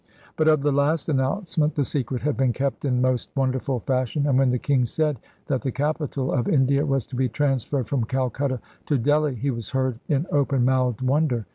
But of the last announcement the secret had been kept in most wonderful fashion, and when the King said that the capital of India was to be transferred from Calcutta to DeUii, he was heard in open mouthed wonder.